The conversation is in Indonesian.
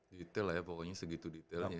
detail lah ya pokoknya segitu detailnya